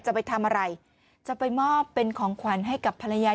จะไปทำอะไรจะไปมอบเป็นของขวัญให้กับภรรยา